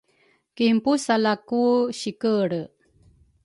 kinpusaleaku sikelre.